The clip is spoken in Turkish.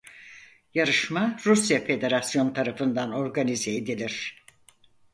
Yarışma Rusya federasyonu tarafından organize edilir.